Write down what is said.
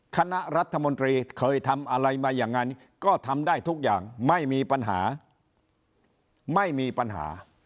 คณะรัฐมนตรีเคยทำอะไรมาอย่างนั้นก็ทำได้ทุกอย่างไม่มีปัญหาไม่มีปัญหา